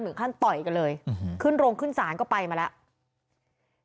ท่านต่อยกันเลยขึ้นโรงขึ้นศาลก็ไปมาแล้ว